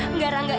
enggak ra enggak